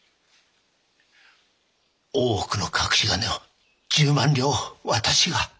大奥の隠し金を１０万両私が？